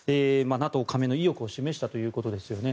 ＮＡＴＯ加盟の意欲を示したということですね。